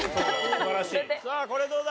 さあこれどうだ？